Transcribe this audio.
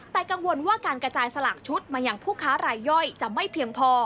แต่กังวลว่าการกระจายสลากชุดมาอย่างผู้ค้ารายย่อยจะไม่เพียงพอ